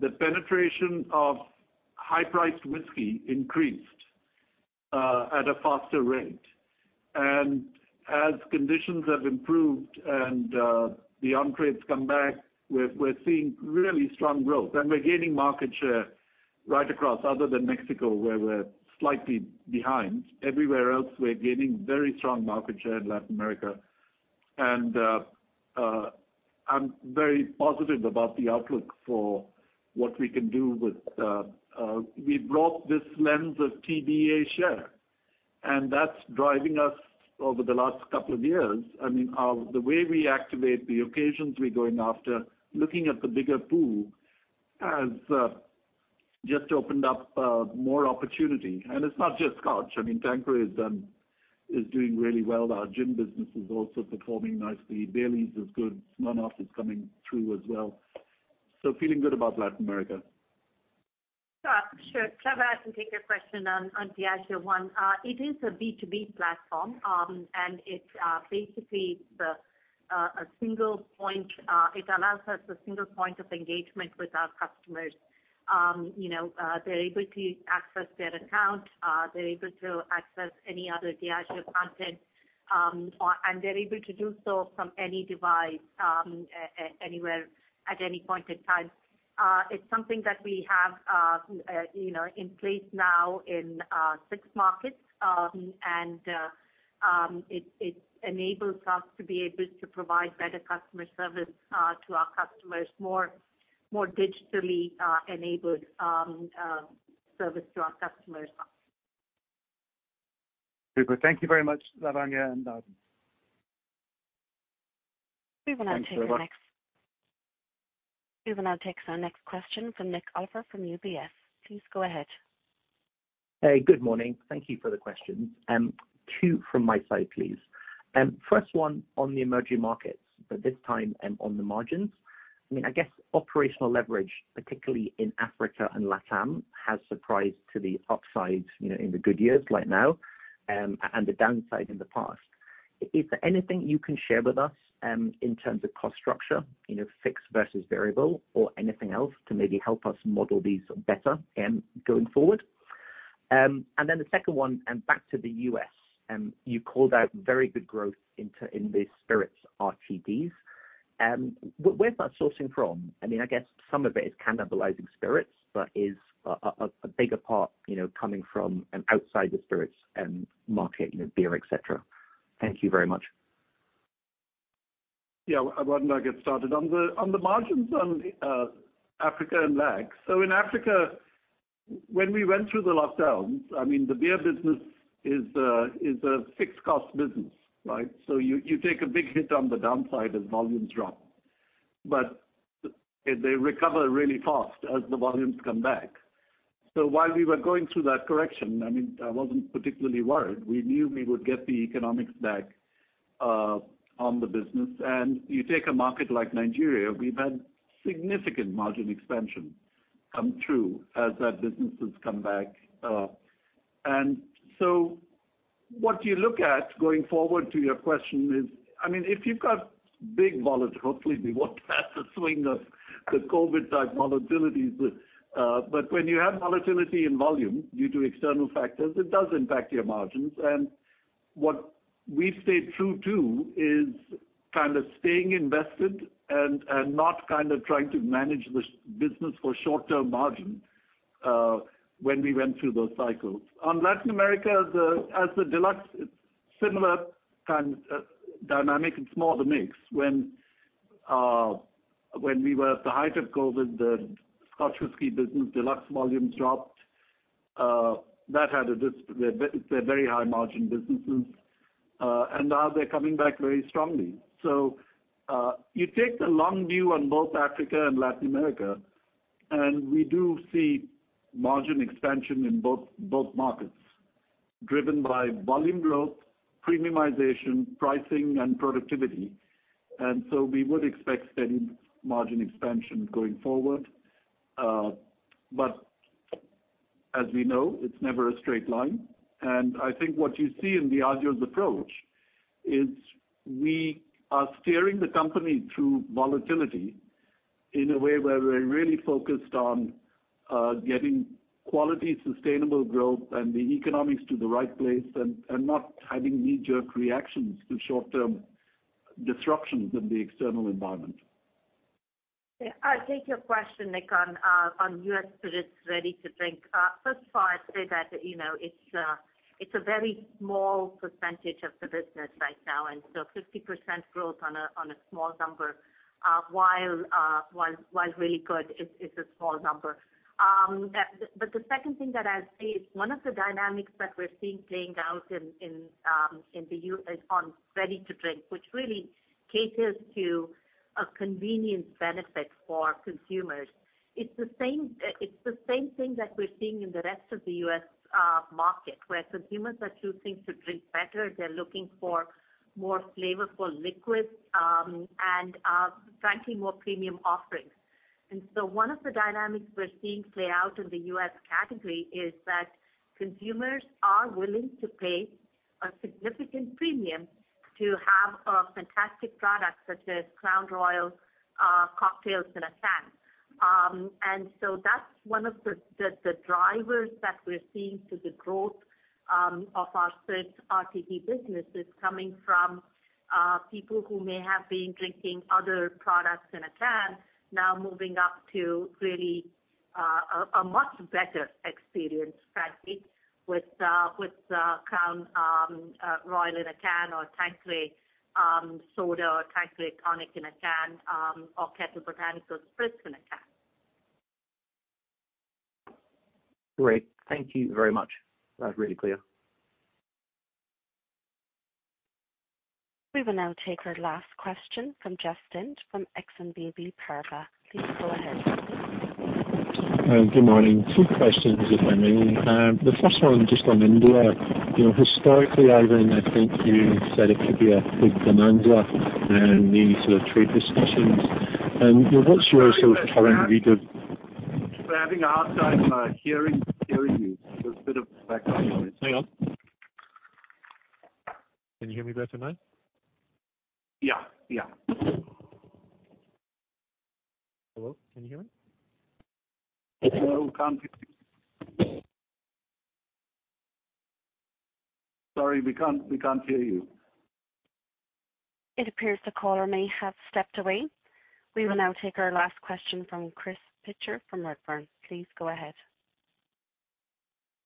the penetration of high-priced whiskey increased at a faster rate. As conditions have improved and the on-trades come back, we're seeing really strong growth. We're gaining market share right across, other than Mexico, where we're slightly behind. Everywhere else, we're gaining very strong market share in Latin America. I'm very positive about the outlook for what we can do. We brought this lens of TBA share, and that's driving us over the last couple of years. I mean, the way we activate the occasions we're going after, looking at the bigger pool has just opened up more opportunity. It's not just Scotch, I mean, Tanqueray is doing really well. Our gin business is also performing nicely. Baileys is good. Smirnoff is coming through as well. Feeling good about Latin America. Sure. Trevor, I can take your question on Diageo One. It is a B2B platform and it's basically a single point of engagement with our customers. You know, they're able to access their account. They're able to access any other Diageo content, and they're able to do so from any device, anywhere at any point in time. It's something that we have, you know, in place now in six markets. It enables us to be able to provide better customer service to our customers, more digitally enabled service to our customers. Super. Thank you very much, Lavanya and Ivan. We will now take our next- Thanks very much. We will now take our next question from Nik Oliver from UBS. Please go ahead. Hey, good morning. Thank you for the questions. Two from my side, please. First one on the emerging markets, but this time on the margins. I mean, I guess operational leverage, particularly in Africa and LATAM, has surprised to the upside, you know, in the good years like now, and the downside in the past. Is there anything you can share with us in terms of cost structure, you know, fixed versus variable or anything else to maybe help us model these better going forward? Then the second one and back to the US, you called out very good growth in the spirits RTDs. Where's that sourcing from? I mean, I guess some of it is cannibalizing spirits, but is a bigger part, you know, coming from, outside the spirits, market, you know, beer, etc.? Thank you very much. Yeah. Why don't I get started? On the margins on Africa and LAC. In Africa, when we went through the lockdowns, I mean, the beer business is a fixed cost business, right? You take a big hit on the downside as volumes drop, but they recover really fast as the volumes come back. While we were going through that correction, I mean, I wasn't particularly worried. We knew we would get the economics back on the business. You take a market like Nigeria. We've had significant margin expansion come through as that business has come back. What you look at going forward to your question is, I mean, if you've got big volatility, hopefully we won't have the swing of the COVID-type volatilities. When you have volatility in volume due to external factors, it does impact your margins. What we've stayed true to is kind of staying invested and not kind of trying to manage the business for short-term margin when we went through those cycles. On Latin America, as the deluxe, it's similar kind of dynamic and smaller mix. When we were at the height of Covid, the Scotch whisky business, deluxe volumes dropped. They're very high-margin businesses, and now they're coming back very strongly. You take the long view on both Africa and Latin America and we do see margin expansion in both markets driven by volume growth, premiumization, pricing, and productivity. We would expect steady margin expansion going forward. As we know, it's never a straight line. I think what you see in Diageo's approach is we are steering the company through volatility in a way where we're really focused on getting quality, sustainable growth and the economics to the right place and not having knee-jerk reactions to short-term disruptions in the external environment. Yeah. I'll take your question, Nik, on U.S. spirits ready to drink. First of all, I'd say that, you know, it's a very small percentage of the business right now, and so 50% growth on a small number, while really good is a small number. But the second thing that I'd say is one of the dynamics that we're seeing playing out in the U.S. on ready to drink, which really caters to a convenience benefit for consumers. It's the same thing that we're seeing in the rest of the U.S. market, where consumers are choosing to drink better. They're looking for more flavorful liquids, and frankly, more premium offerings. One of the dynamics we're seeing play out in the U.S. category is that consumers are willing to pay a significant premium to have a fantastic product such as Crown Royal cocktails in a can. That's one of the drivers that we're seeing to the growth of our spirit RTD businesses coming from people who may have been drinking other products in a can now moving up to really a much better experience, frankly, with Crown Royal in a can or Tanqueray soda or Tanqueray tonic in a can or Ketel One Botanical spirits in a can. Great. Thank you very much. That was really clear. We will now take our last question from Justin from Exane BNP Paribas. Please go ahead. Good morning. Two questions, if I may. The first one just on India. You know, historically, Ivan, I think you said it could be a big demander and you need to treat discussions. What's your sort of current view of- We're having a hard time hearing you. There's a bit of background noise. Hang on. Can you hear me better now? Yeah, yeah. Hello, can you hear me? No, can't hear you. Sorry, we can't hear you. It appears the caller may have stepped away. We will now take our last question from Chris Pitcher from Redburn. Please go ahead.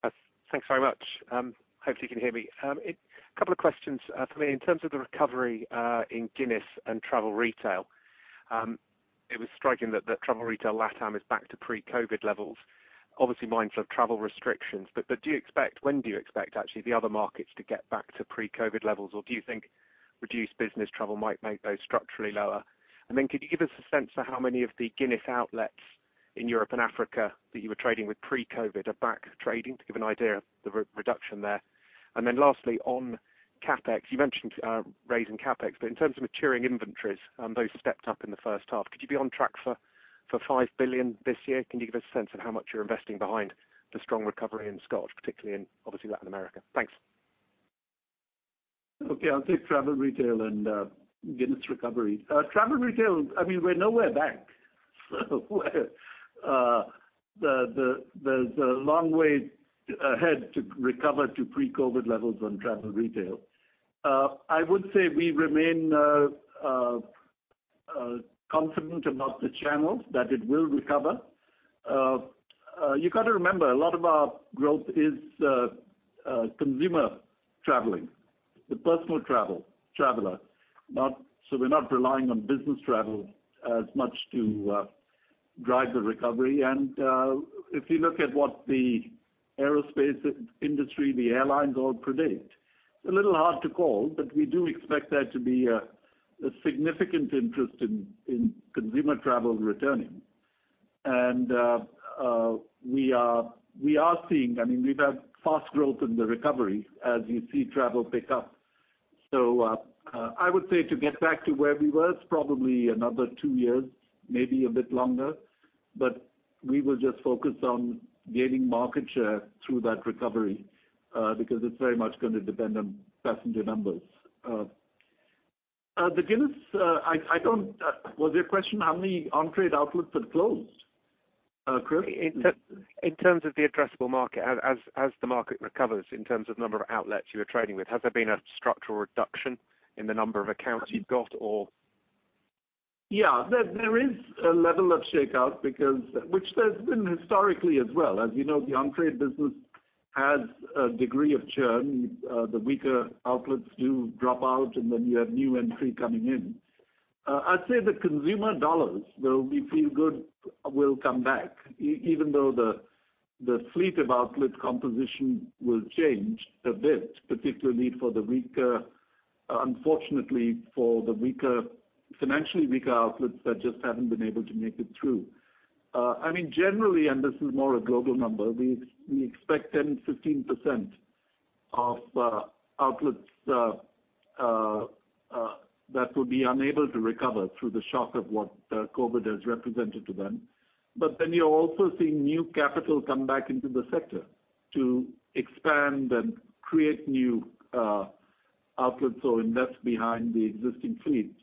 Thanks very much. Hopefully you can hear me. A couple of questions for me. In terms of the recovery in Guinness and travel retail, it was striking that the travel retail LATAM is back to pre-COVID levels. Obviously, many have travel restrictions, but do you expect actually the other markets to get back to pre-COVID levels? Or do you think reduced business travel might make those structurally lower? And then could you give us a sense for how many of the Guinness outlets in Europe and Africa that you were trading with pre-COVID are back trading to give an idea of the recovery there? And then lastly, on CapEx, you mentioned raising CapEx, but in terms of maturing inventories, those stepped up in the first half. Could you be on track for 5 billion this year? Can you give us a sense of how much you're investing behind the strong recovery in Scotch, particularly in obviously Latin America? Thanks. Okay, I'll take travel retail and Guinness recovery. Travel retail, I mean, we're nowhere back where there's a long way ahead to recover to pre-COVID levels on travel retail. I would say we remain confident about the channels that it will recover. You got to remember, a lot of our growth is consumer traveling, the personal traveler, not. So we're not relying on business travel as much to drive the recovery. If you look at what the aerospace industry, the airlines all predict, it's a little hard to call, but we do expect there to be a significant interest in consumer travel returning. We are seeing, I mean, we've had fast growth in the recovery as you see travel pick up. I would say to get back to where we were, it's probably another two years, maybe a bit longer, but we will just focus on gaining market share through that recovery, because it's very much gonna depend on passenger numbers. Was your question how many on-trade outlets had closed, Chris? In terms of the addressable market, as the market recovers in terms of number of outlets you were trading with, has there been a structural reduction in the number of accounts you've got or? Yeah. There is a level of shakeout because there's been historically as well. As you know, the on-trade business has a degree of churn. The weaker outlets do drop out, and then you have new entry coming in. I'd say the consumer dollars, though we feel good, will come back even though the fleet of outlet composition will change a bit, particularly for the weaker, unfortunately, financially weaker outlets that just haven't been able to make it through. I mean, generally, this is more a global number. We expect 10%-15% of outlets that would be unable to recover through the shock of what COVID has represented to them. You're also seeing new capital come back into the sector to expand and create new outlets or invest behind the existing fleet.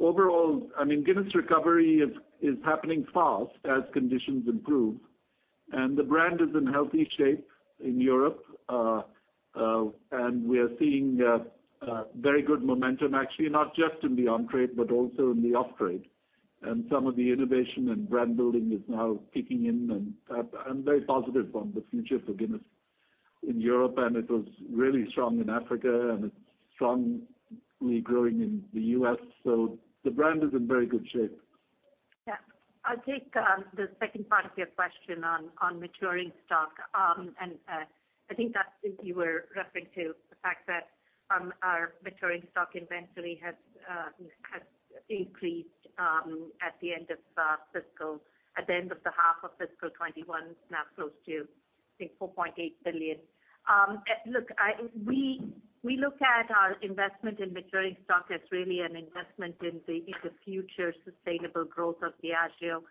Overall, I mean, Guinness recovery is happening fast as conditions improve, and the brand is in healthy shape in Europe. We are seeing very good momentum, actually, not just in the on-trade, but also in the off-trade. Some of the innovation and brand building is now kicking in, and I'm very positive on the future for Guinness in Europe, and it was really strong in Africa, and it's strongly growing in the U.S.. The brand is in very good shape. Yeah. I'll take the second part of your question on maturing stock. I think that's if you were referring to the fact that our maturing stock inventory has increased at the end of the half of fiscal 2021, now close to, I think, 4.8 billion. We look at our investment in maturing stock as really an investment in the future sustainable growth of Diageo.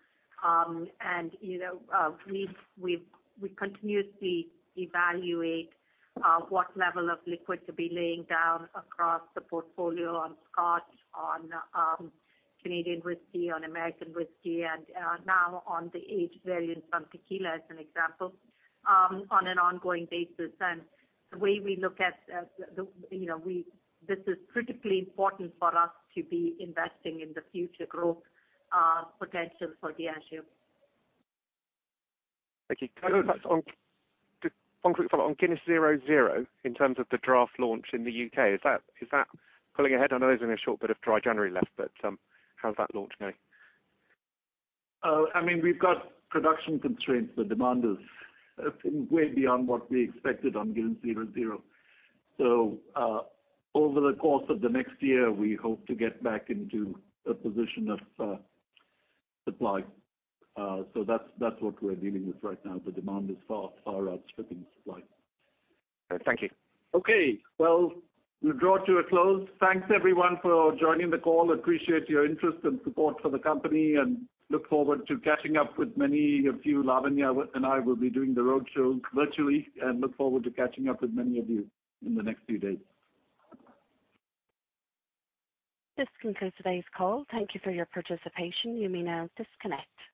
You know, we continuously evaluate what level of liquid to be laying down across the portfolio on Scotch, on Canadian whiskey, on American whiskey, and now on the aged variants on tequila, as an example, on an ongoing basis. The way we look at the. You know, this is critically important for us to be investing in the future growth potential for Diageo. Thank you. Just one quick follow. On Guinness 0.0, in terms of the draft launch in the U.K., is that pulling ahead? I know there's only a short bit of Dry January left, but how's that launch going? I mean, we've got production constraints. The demand is way beyond what we expected on Guinness 0.0. Over the course of the next year, we hope to get back into a position of supply, so that's what we're dealing with right now. The demand is far outstripping supply. Thank you. Okay. Well, we'll draw to a close. Thanks, everyone, for joining the call. Appreciate your interest and support for the company, and look forward to catching up with many of you. Lavanya and I will be doing the roadshow virtually, and look forward to catching up with many of you in the next few days. This concludes today's call. Thank you for your participation. You may now disconnect.